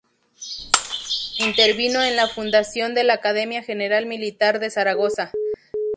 Intervino en la fundación de la Academia General Militar de Zaragoza.